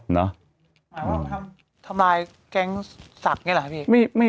หมายความว่าทำลายแก๊งศักดิ์ไงล่ะพี่